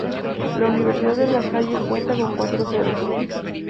La Universidad de La Salle cuenta con cuatro sedes.